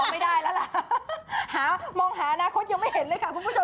ไม่ได้แล้วล่ะหามองหาอนาคตยังไม่เห็นเลยค่ะคุณผู้ชม